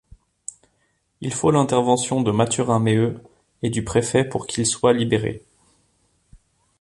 Il faut l'intervention de Mathurin Méheut et du préfet pour qu'ils soient libérés.